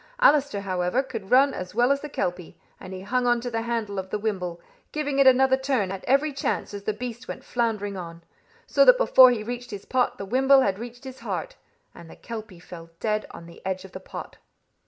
Allister, however, could run as well as the kelpie, and he hung on to the handle of the wimble, giving it another turn at every chance as the beast went floundering on; so that before he reached his pot the wimble had reached his heart, and the kelpie fell dead on the edge of the pot.